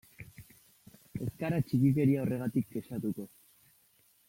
Ez gara txikikeria horregatik kexatuko.